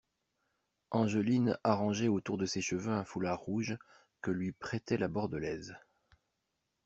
Angeline arrangeait autour de ses cheveux un foulard rouge que lui prêtait la Bordelaise.